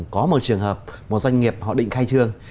có một trường hợp một doanh nghiệp họ định khai trương